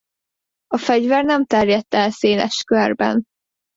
A fegyver nem terjedt el széles körben.